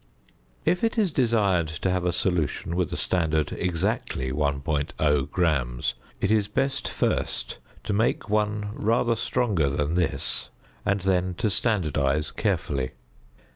If it is desired to have a solution with a standard exactly 1.0 gram, it is best first to make one rather stronger than this, and then to standardise carefully.